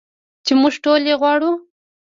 چې موږ ټول یې غواړو.